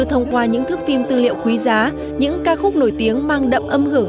thông qua những thước phim tư liệu quý giá những ca khúc nổi tiếng mang đậm âm hưởng